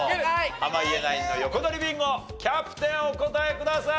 濱家ナインの横取りビンゴキャプテンお答えください！